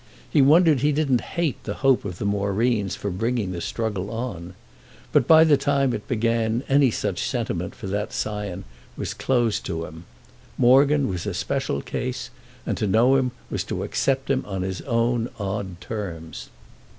He wondered he didn't hate the hope of the Moreens for bringing the struggle on. But by the time it began any such sentiment for that scion was closed to him. Morgan was a special case, and to know him was to accept him on his own odd terms.